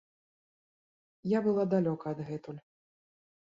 Я была далёка адгэтуль.